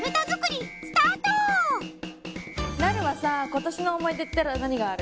なるはさぁ今年の思い出っていったら何がある？